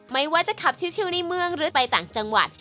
ไม่ว่าจะขับชิลในเมืองหรือไปต่างจังหวัด